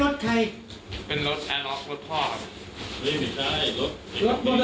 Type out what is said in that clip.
เป็นรถแอร์ล็อครถพ่อครับ